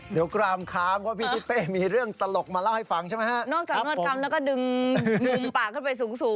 เดี๋ยวกรามคามว่าพี่ทิศเป้มีเรื่องตลกมาเล่าให้ฟังใช่ไหม